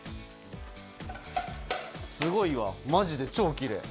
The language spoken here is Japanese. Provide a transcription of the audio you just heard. すごいわマジで超キレイ。